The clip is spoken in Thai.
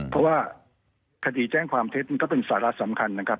เพราะว่าคดีแจ้งความเท็จมันก็เป็นสาระสำคัญนะครับ